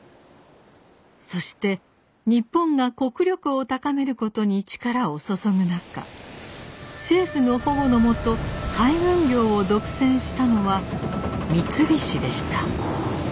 そして日本が国力を高めることに力を注ぐ中政府の保護の下海運業を独占したのは三菱でした。